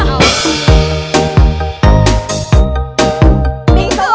กรุงเทพค่ะ